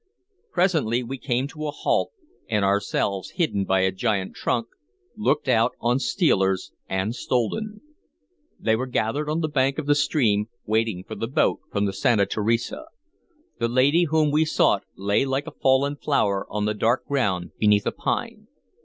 Presently we came to a halt, and, ourselves hidden by a giant trunk, looked out on stealers and stolen. They were gathered on the bank of the stream, waiting for the boat from the Santa Teresa. The lady whom we sought lay like a fallen flower on the dark ground beneath a pine.